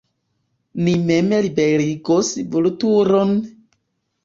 Ni mem liberigos Vulturon!